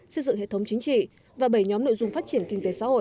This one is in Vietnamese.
xây dựng hệ thống chính trị và bảy nhóm nội dung phát triển kinh tế xã hội